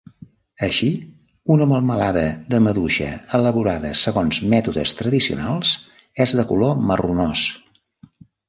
Així, una melmelada de maduixa elaborada segons mètodes tradicionals és de color marronós.